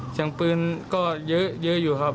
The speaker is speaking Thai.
เสียงปืนก็เยอะอยู่ครับ